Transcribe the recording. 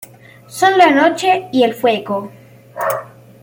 Son la noche y el fuego.